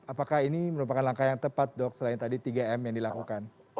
apakah ini merupakan langkah yang tepat dok selain tadi tiga m yang dilakukan